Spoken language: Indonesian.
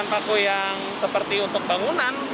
ini paku yang seperti untuk bangunan ya